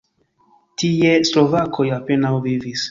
Tie slovakoj apenaŭ vivis.